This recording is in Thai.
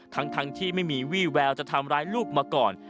ทั้งที่ไม่มีวี่แววจะทำร้ายลูกมาก่อน